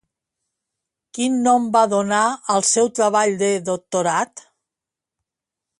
Quin nom va donar al seu treball de doctorat?